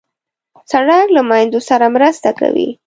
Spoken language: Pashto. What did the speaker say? سړک له میندو سره مرسته کوي.